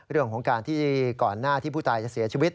เรื่องของการที่ก่อนหน้าที่ผู้ตายจะเสียชีวิต